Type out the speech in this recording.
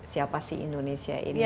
siapa sih indonesia ini